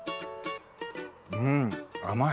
うん甘い！